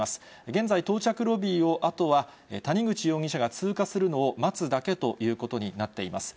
現在、到着ロビーを、あとは谷口容疑者が通過するのを待つだけということになっています。